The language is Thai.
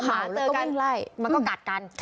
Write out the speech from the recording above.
ขาดแล้วก็ไม่ไล่มันก็กัดกัน